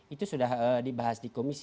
itu sudah dibahas di komisi